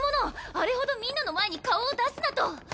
あれほどみんなの前に顔を出すなと。